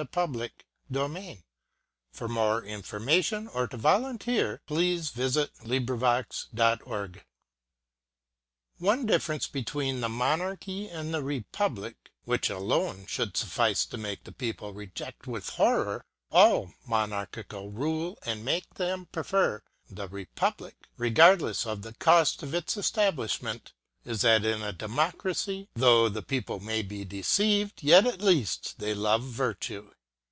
Appended is an example of his oratory. LIVE FREE OR DIE FEBRUARY. 1788 ONE difference between the monarchy ana the repub lic, which alone should suffice to make the people reject with horror all monarchical rule and make them prefer the republic regardless of the cost of its estab lishment, is that in a democracy, though the people may (125) 126 DESMOULINS be deceived, yet, at least, they love virtue.